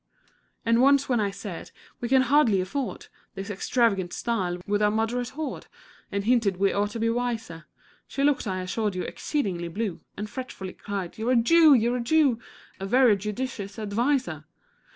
And once when I said, "We can hardly afford This extravagant style, with our moderate hoard, And hinted we ought to be wiser. She looked, I assure you, exceedingly blue, And fretfully cried, 'You're a Jew you're a Jew A very ju dicious adviser!'"